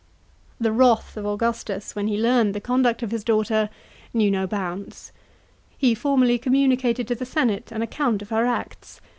The wrath of Augustus, when he learned the conduct of his daughter, knew no bounds. He formally communicated to the senate an account of her acts.